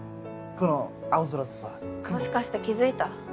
この青空とさもしかして気づいた？